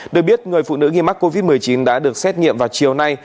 được biết người phụ nữ nghi mắc covid một mươi chín đã được xét nghiệm vào chiều nay